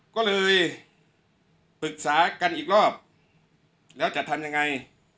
ก็เลยปรึกษากันอีกรอบแล้วจะทำยังไง